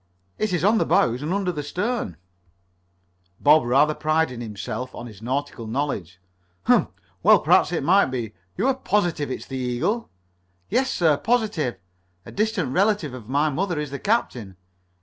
"It is on the bows and under the stern." Bob rather prided himself on this nautical knowledge. "Hum! Well, perhaps it may be. You are positive it is the Eagle?" "Yes, sir. Positive. A distant relative of my mother is the captain."